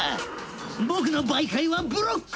僕の媒介はブロック。